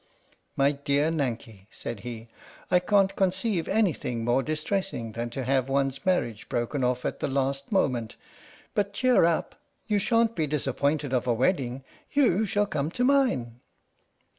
" My dear Nanki," said he, " I can't conceive anything more distressing than to have one's mar riage broken off at the last moment. But cheer up you shan't be disappointed of a wedding you shall come to mine."